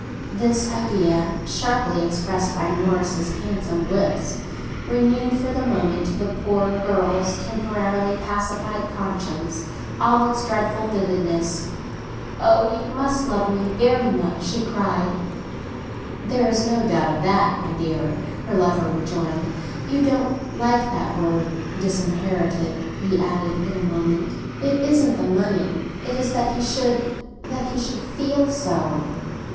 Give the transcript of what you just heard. This idea, sharply expressed by Morris's handsome lips, renewed for a moment, to the poor girl's temporarily pacified conscience, all its dreadful vividness. "Oh, you must love me very much!" she cried. "There is no doubt of that, my dear!" her lover rejoined. "You don't like that word 'disinherited,'" he added in a moment. "It isn't the money; it is that he should—that he should feel so."